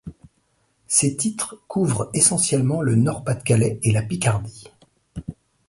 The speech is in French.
Ces titres couvrent essentiellement le Nord-Pas-de-Calais et la Picardie.